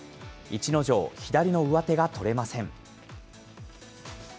逸ノ城、左の上手が取れません。